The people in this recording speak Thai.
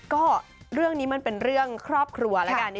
ก็เรื่องนี้มันเป็นเรื่องครอบครัวแล้วกัน